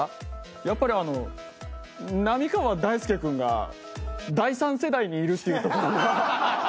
やっぱりあの浪川大輔君が第３世代にいるっていうところが。